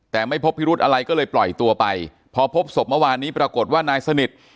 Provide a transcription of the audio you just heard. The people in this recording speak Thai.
แต่ไม่พบพิรุธอะไรก็เลยปล่อยตัวไปพอพบศพเมื่อวานนี้ปรากฏว่านายสนิท